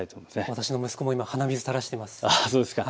私の息子も今、鼻水垂らしてます。